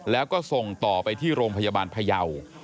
แล้วก็ส่งต่อไปที่โรงพยาบาลพยาว